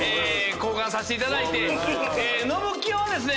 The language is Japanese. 交換させていただいてのぶきよはですね